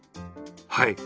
はい。